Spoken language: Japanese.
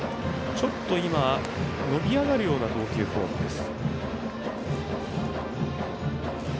伸び上がるような投球フォームです。